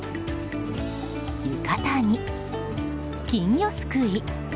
浴衣に金魚すくい。